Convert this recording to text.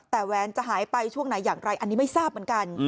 แต่แหวนจะหายไปช่วงไหนอย่างไรอันนี้ไม่ทราบเหมือนกัน